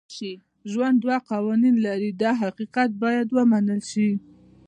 ژوند دوه قوانین لري دا حقیقت باید ومنل شي.